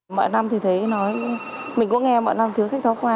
mọi năm thì thấy nói mình cũng nghe mọi năm thiếu sách giáo khoa